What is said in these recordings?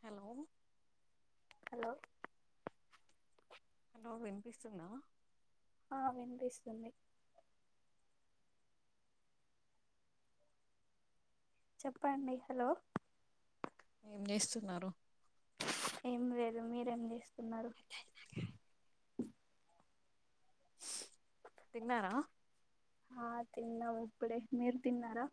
Hello hello hello వినిపిస్తుందా ఆ వినిపిస్తుంది చెప్పండి హలో ఏం చేస్తున్నారు ఏం లేదు మీరేం చేస్ ఉన్నారు తిన్నారా ఆ తిన్నము ఇప్పుడే మీరు తిన్నారా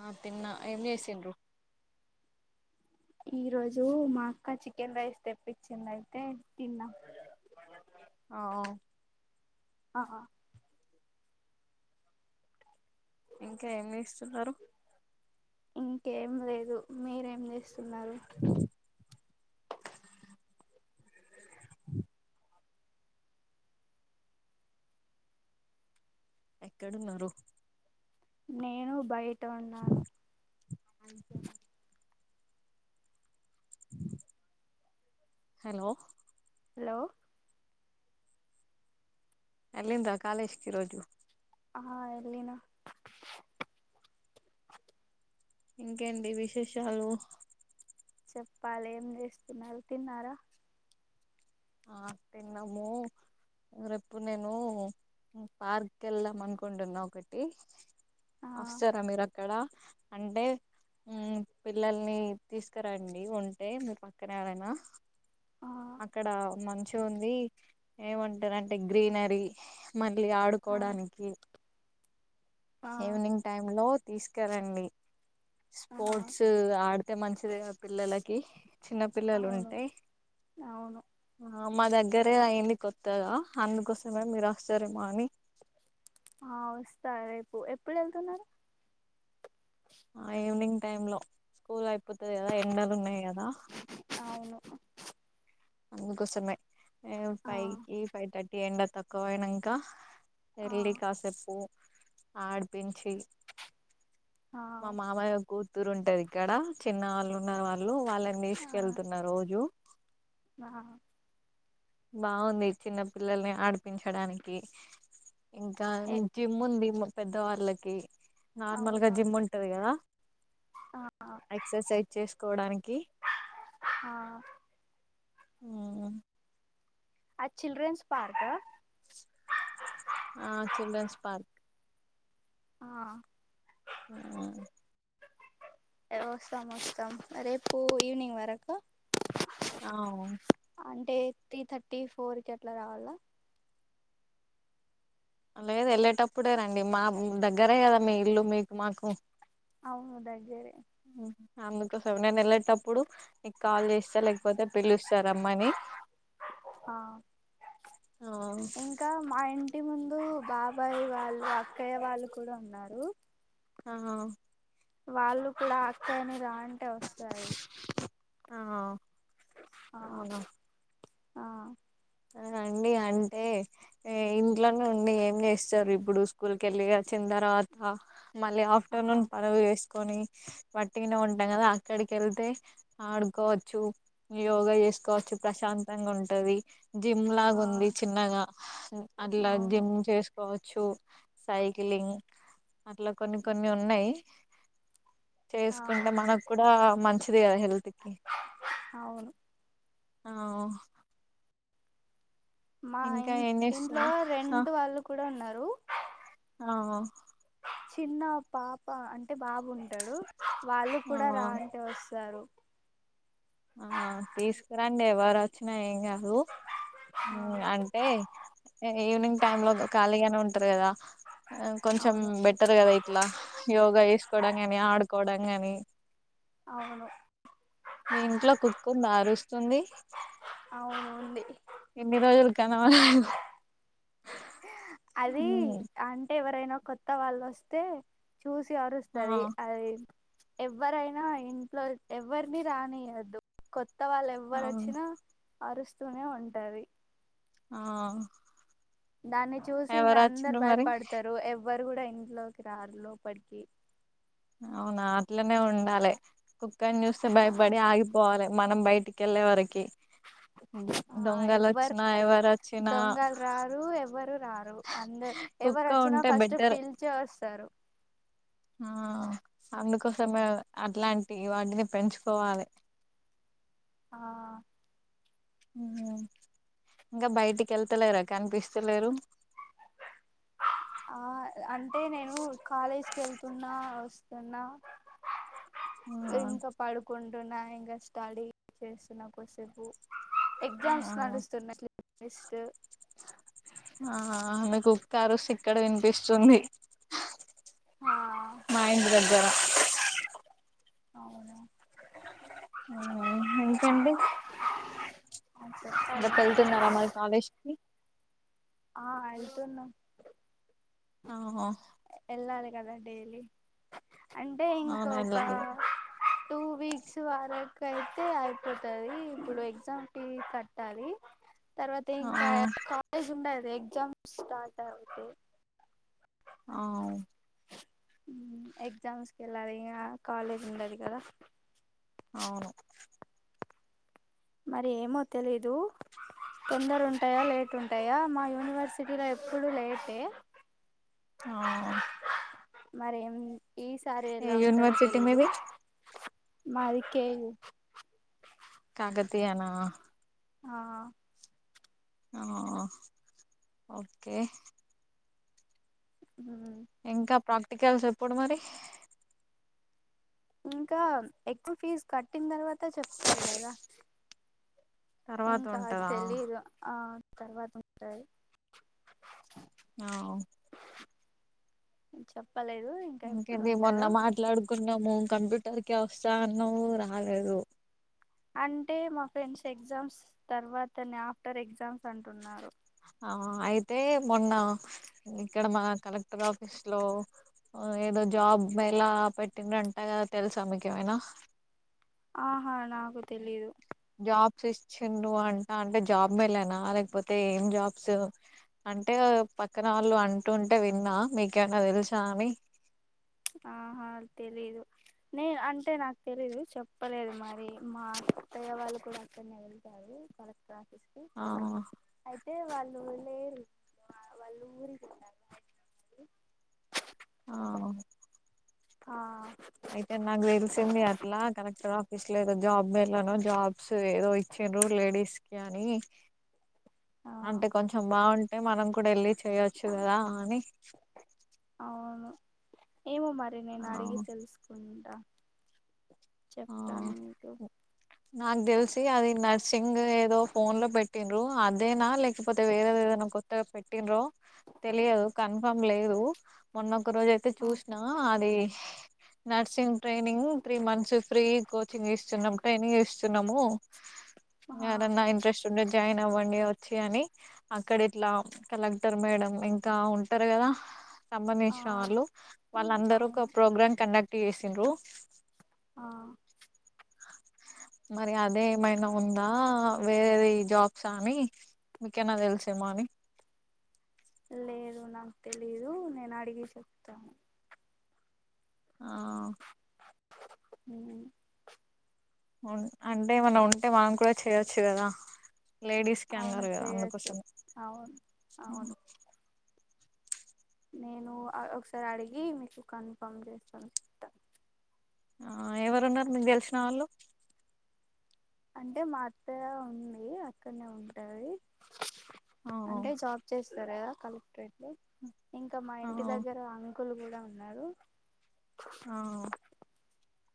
ఆ తిన్న ఏం చేసిన్రు ఈ రోజు మా అక్క చికెన్ రైస్ తెప్పించింది అయితే తిన్నాం ఆవ్ ఆహ ఇంకా ఏమి చేస్తున్నారు ఇంకేం లేదు మీరేం చేస్త్ స్తున్నారు ఎక్కడ ఉన్నారు నేను బయ్ అంతేనా హలో హలో ఏళ్లింద్రా కాలేజీకి ఈ రోజు ఆ ఏళ్ళిన ఇంకేంటి విశేషాలు చెప్పాలి ఏం చేస్తున్నారు తిన్నారా ఆ తిన్నాము రేపు నేను పార్క్ వెళ్దాం అనుకుంటున్నా ఒకటి ఆ అస్తారా మీరు అక్కడ అంటే హ్మ్ పిల్లల్ని తీసుకురండి ఉంటే మీ పక్కన ఎవరైనా ఆ [inaudible] మంచిగా ఉంది ఏమంటారు అంటే గ్రీనరీ మళ్ళీ ఆ ఆడుకోవడానికి ఆ ఈవినింగ్ టైమ్ లో తీసుకరండి ఆ స్పోర్ట్స్ ఆడితే మంచిదిగా పిల్లల కె చిన్న పిల్లలు అవును ఉంటే అవును ఆహ్ మా దగ్గరే అయింది కొత్తగా అందుకోసమే మీరు వస్తారేమో అని ఆహ్ వస్తా రేపు ఎప్పుడు వెళ్తున్నారు ఈవినింగ్ టైమ్ లో స్కూల్ అయి పోతది కదా ఎండలు ఉన్నాయి కదా అవును అందుకోసమే ఆ ఫైవ్ కి ఫైవ్ తథర్టీ ఎండ తక్కువయినాంకా ఆ ఎల్లి కాసేపు ఆడిపించి ఆ మా మావయ్య కు తురు ఉంటారు ఇక్కడ చిన్న వాళ్ళు ఉన్నారు వాళ్ళు వాళ్ళని తీసుకెళ్తున్న రోజు ఆ బాగుంది చిన్న పిల్లల్ని ఆడిపించడానికి ఇంకా ఏ జిమ్ ఉంది. పెద్ద వాళ్ళకి నార్మల్గా అవునా జిమ్ ఉంటది కదా. ఆ ఎక్సర్సైజ్ చేసుకోవడానికి. ఆ ఊ అది చిల్డ్రెన్స్ పార్క్ ఆ ఆ చిల్డ్రన్స్ పార్క్ ఆ ఊ వస్తాం వస్తాం రేపు ఈవినింగ్ వరకు అవు ఏట్ త్రీ థర్టీ ఫోర్ కి అట్లా రావాలా లేదు వెళ్ళేటప్పుడే రండి మా దగ్గరే కదా మీ ఇల్లు మీకు మాకు అవునుదగ్గరే అందుకు కోసమే నేన్ వెళ్ళేటప్పుడు నీకు కాల్ చేస్తా లేకపోతే పిలుస్తా రమ్మని ఆ ఆ ఇంకా మా ఇంటి ముందు బాబాయి వాళ్ళు, అక్కయ్య వాళ్ళు కూడా ఉన్నారు. ఆ వాళ్ళు కూడా అక్క అని రా అంటే వస్తాది. ఆ అవును ఆ అండి అంటే ఇంట్లోనే ఉండి ఏం చేస్తారు. ఇప్పుడు స్కూల్కి వెళ్ళి వచ్చిన తర్వాత. మళ్ళీ ఆ ఆఫ్టర్నూన్ పనులు చేస్ కొని వట్టిగనే ఉంటాం కదా అక్కడికి వెళ్తే ఆడుకోవచ్చు. యోగా చేసుకోవచ్చు. ప్రశాంతంగా ఉంటది. జిమ్ లాగా ఆ ఉంది చిన్నగా అట్లా అవును జిమ్ చేసు కోచు సైకిలింగ్ అట్లా కొన్ని కొన్ని ఉన్నయ్ ఆ చేసుకుంటే మనకు కూడా మంచిది కదా హెల్త్ కి అవును ఆ మా ఇం ఇంకా ఏం ఇంట్లో చేస్తున్నా రెంటు వాళ్ళు కూడా ఉన్నారు. హలో అ చిన్న పాప అంటే బాబు ఉంటడు వాళ్ళు ఆ కూడ ఆ రా అంటే వస్తారు ఆ తీసుకరాండి ఎవరో వచ్చిన ఏం కాదు ఆ అంటే ఈవినింగ్ టై లో ఖాళీగ ఉంటరు గదా ఆ కొంచెం అవును బెటర్ గదా ఇట్లా యోగా ఎ సుకోవడాని మెబి ఆడుకోవడం గాని అవును మీ ఇంట్లో కుక్క ఉందా అరుస్తుంది అవును ఉంది ఇన్ని రోజులు కనబడలేదు అది అంటే ఎవరైనా కొత్త వాళ్ళు వస్తే చూసి ఆ ఆరుస్తది అది ఎవరైనా ఇంట్లో ఎవరిని రానియ్యదు కొత్త కోత్త వాళ్ళు ఆ ఎవరు వచ్చినా అరుస్తూనే ఉంటది ఆ దాన్ని చూసి ఇంగా ఎవరు అందరు వచ్చిండ్రు మరి భయపడతరు ఎవ్వ ఎవరు గూడ ఇంట్లోకి రారు లోపటి కి అవునా అట్లనే ఉండాలి కుక్కని చూస్తే ఆ భయపడి ఆగిపోవాలె మనం బయటికి వెళ్ళే వరకి ఆ దొంగలు ఎవ్వరు వచ్చినా రారు ఎవరు వచ్చినా దొంగలు రారు ఎవ్వరు రారు అందరు ఎవరు కుక్క వచ్చినా ఉంటే ఫస్ట్ బెటర్ పిలిచే వస్తరు ఆ అందుకోసమే అట్లాంటి వాటిని పెంచుకోవాలి ఆ మ్ ఇంగా బయటికి వెళ్తలేరా కనిపిస్తలేరు ఆ అంటే తిన్నావా ఆ ఇంకా పడుకుండ కూర్చున్నా ఇంగా స్టడీ చేస్తున్నా కొద్ది సేపు ఎగ్జామ్స్ నడుస్తున్నయ స్లీప్ టెస్ట్ ఆడ కుక్క అరుస్తే ఇక్కడ వినిపిస్తుంది ఆ మా ఇంటి దగ్గర అవునా ఇకండి అని చెప్పాలి. రేపు వెళ్తున్నారా మరి కాలేజ్ కి ఆ అయితున్నమ్ ఆ హో ఎలాలి గదా డైలీ అంటే ఇంకొక వెళ్ళాలి టూ వీక్స్ వరకు అయితే ఐపోతాది ఇప్పుడు ఎగ్జామ్ ఫీ కట్టాలి తర్వాత ఇంకా కాలేజ్ ఉండది ఎగ్జామ్ స్టార్ట్ అవుతే ఆవ్ ఊ ఎగ్సామ్స్ కెల్లారిగా కాలేజ్ ఉండది కదా ఔను మరి ఏమో తెలీదు తొందర ఉంటాయా లేట్ ఉంటాయా మా యూనివర్సిటీలో ఎప్పుడూ లేటే అవ్ మరేం ఈ సారి ఎలా ఉంటాదో యూనివర్సిటీ తెలీదు మీది మాది కే యూ కాకతీయా నా ఆ ఆ ఓకే ఉ ఇంకా ప్రాక్టికల్స్ ఎప్పుడు మరి ఇంకా ఎక్కువ ఫీజు కట్టిన తర్వాత చెప్తారు కదా తర్వాత ఇంకా అ తెలి ఉంటదా ఇదు ఆ తర్వాత ఉంటయి అ అ ఇంకేది మొన్న మాట్లాడుకున్నాము కంప్యూటర్ ర్కి అవసా అన్నో రాలదు అంటే మా ఫ్రెండ్స్ ఎగ్జామ్స్ తర్వాతని ఆఫ్టర్ ఎగ్జామ్స్ అంటున్నారు ఆ అయితే మొన్న ఇక్కడ మన కలెక్టర్ ఆఫీస్ లో ఏదో జాబ్ ఎలా పెట్టిందింటా తెలుసా మీకేమైనా ఆహా నాకు తెలీదు జాబ్స్ ఇచ్చిండ అంటా అంటే జాబ్ మేళనా లేకపోతే ఏం జాబ్స్ అంటే పక్కన వాళ్ళు అంటుంటే విన్నా మీకేమనా తెలుసా అని ఆహా తెలీదు నేను అంటే నాకు తెలీదు చెప్పలేదు మరి మా అత్తయ్య వాళ్ళు కూడా అక్కడనే వెళ్తారు కర ఆ అంటే వాళ్ళుళ్ళరు వాళ్ళు ఊరిగి ఆ ఆ అయితే నాకు తెలిసింది అట్లా కలెక్టర్ ఆఫీస్ లో జాబ్ మేళాను జాబ్స్ ఏదో ఇచ్చిరు లేడీస్ కి అని ఆ అంటే కొంచెం బాగుంటే అంటే మనం కూడా వెళ్ళి చేయొచ్చు కదా అని అవును ఏమో మరి ఆ నేను అడిగి తెలుసుకుంటా ఆ చెప్తాను మీకు నాకు తెలిసి అది నర్సింగ్ ఏదో ఫోన్ లో పెట్టిన్రు అదేనా లేకపోతే వేరేదో ఏదైనా కొత్తగా పెట్టిన్రో తెలియదు కన్ఫామ్ లేదు మొన్న ఒక రోజు అయితే ఆ చూసినా అది nursing training three months free coaching ఇస్తున్నాం ట్రైనింగ్ ఇస్తున్నాము ఆహా ఎవరన్న ఇంట్రెస్ట్ ఉండే ద్ జాయిన్ అవ్వండి వచ్చి అని, అక్కడ ఇట్లా కలెక్టర్ మేడం ఇంకా ఉంటారు కదా. ఆ సంబంధించిన వాళ్ళు వాళ్ళందరూ ఒక అవును ప్రోగ్రాం కండక్. టీ ఏ సిండ్రు ఆ మరి అదే ఏమైనా ఉందా వేరే జాబ్స అని మీకేనా తెలిసేమో అని లేదు నాకు తెలీదు నేను అడిగి చెప్తా ఆ హుమ్ అంటే మనం ఉంటే వామ్ కూడా చేయొచ్చు కదా లేడీస్ కి అవును అన్నార్ కదా చేయొచ్చు అందుకోసమే అవును అవును నేను ఆ ఒకసారి అడిగి మీకు కన్ఫామ్ చేస్తా ఉంటా ఆ ఎవరున్నారు మీకు తెలిసిన వాళ్ళు అంటే మా అత్త ఉంది అక్కడనే ఉంటది వాళ్ళు అంటే జాబ్ చేస్తారు కదా కలెక్టరేట్ లో ఇంకా మా ఆ ఇంటి దగ్గర క్కులు కూడా ఉన్నారు ఆ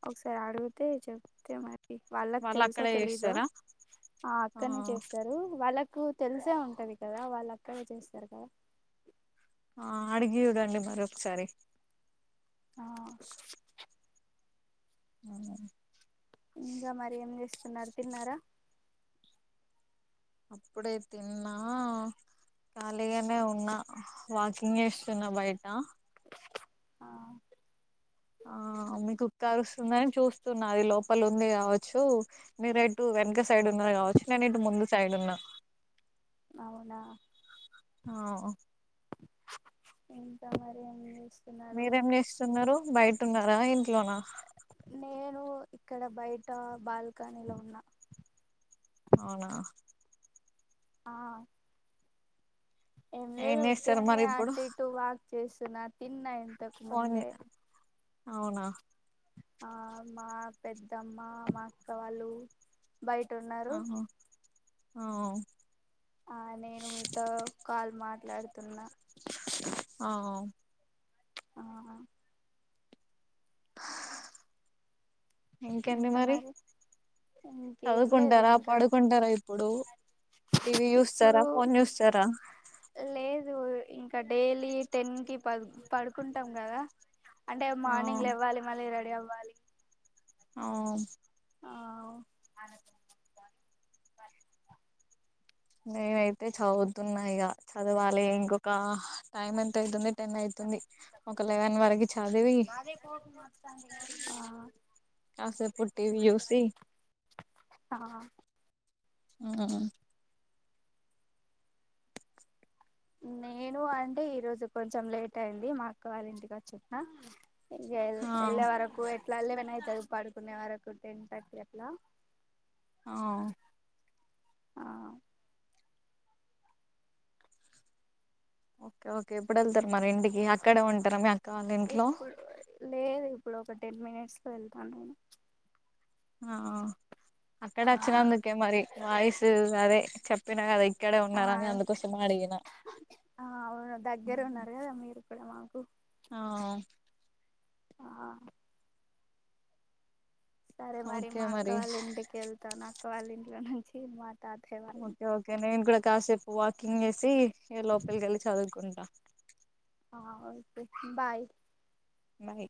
ఒకసారి అడుగితే చెప్తే మరి వాళ్ళకి వాళ్ళు తెలుసో అక్కడే తెలీదో చేస్తారా ఆ అక్కనే చేస్తారు వాళ్ళక్ కు తెలిసే ఉంటది కదా వాళ్ళు అక్కడే చేస్తారు కదా ఆ అడిగి చూడండి మరి ఒకసారి ఆ. మ్. ఇంక మరి ఏం చేస్తున్నారు తిన్నారా ఇప్పుడే తిన్నా ఖాళీగానే ఉన్నా వాకింగ్ చేస్తున్నా బయట ఆ ఆ మీ కుక్క అరుస్తుందని చూస్తున్నా అది లోపల ఉంది కావచ్చూ మీరు అటు వెనుక సైడ్ ఉన్నరు కావచ్చు నేను ఇటు ముందు సైడ్ ఉన్నా అవునా ఆఓ ఇంక మరి ఏంది మీరేం చేస్తున్నారు బయటున్నారా ఇంట్లోన నేను ఇక్కడ బయట బాల్కనీలో ఉన్నా అవునా ఆ ఏం లేదు చేస్తారు ఉట్టిగానే మరి ఇప్పుడు అటు ఇటు వాక్ చేసి నాద్ తిన్నా ఇంతకు ఫోన్ ముందే అవునా ఆ మా పెద్దమ్మా మా అక్క వాళ్ళు బయట ఉన్నారు అవ్ లాడుతున్నా ఆ వ్ ఆ ఇంకేంటి మరి ఇంకేం లేదు చదువుకుంటారా ఇంకా పడుకుంటారా ఇప్పుడు టీవీ చూస్తారా ఇప్పుడు ఫోన్ చూస్తారా ఉ. ఇంకా డైలీ టెన్ కి ప పడుకుంటాం కదా అంటే ఆ మార్నింగ్ లెవ్వాలి మళ్ళీ రెడీఅవ్ అ వ్ ఆవున్ నేనయితే చదువుతున్నా ఇక చదవాలి ఇంకొక టైమ్ ఎంత అయితుంది టెన్ అయితుంది ఒక లెవెన్ వరకి చదివి [unintelligible] ఆ ఇపుడ్ టీవి చూసి ఆ ఉమ్ నేను అంటే ఈరోజు కొంచెం లేట్ అయింది మా అక్క వాళ్ళ ఇంటికి వచ్చున్న వెళ్ ఆ వెళ్ళే వరకు ఎట్లా వెళ్ళవేనై తెలీదు పడుకునే వరకు టెన్ థర్టీ అట్లా ఆ ఆ. ఓకే ఓకే ఎప్పుడు వెళ్తారు మరి ఇంటికి అక్కడే ఉంటారా మీ అక్ ఇప్పుడు లేదుప్ ఇప్పుడు ఒక టెన్ మినిట్స్ లో వెళ్తాను ఆ అక్కడ ఆ వచ్చినందుకే మరి వాయిసు అదే చెప్పినా కదా ఇక్కడే ఉన్డలని ఆ అందుకోసమే అడిగినా ఇక్కడ మాకు ఆ ఆ సరే మరి మా అక్క వాళ్ళ ఇంటికి వెళ్తా నా వాల్ ఇంట్లో నుంచి మా తాతయ్య వాళ్ళ ఓకే ఇంటికి ఓకే నేను కూడా కాసేపు వాకింగ్ చేసి ఏ లోపలికి ఎల్లి చదువుకున్ ఆ ఓకే బాయ్ మోనీ